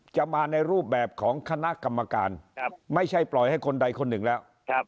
จะมาในรูปแบบของคณะกรรมการไม่ใช่ปล่อยให้คนใดคนหนึ่งแล้ว